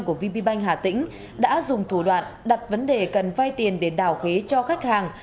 của vb bank hà tĩnh đã dùng thủ đoạn đặt vấn đề cần vay tiền để đào khế cho khách hàng